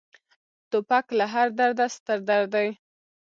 توپک له هر درده ستر درد دی.